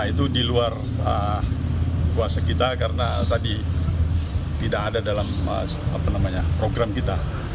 itu di luar kuasa kita karena tadi tidak ada dalam program kita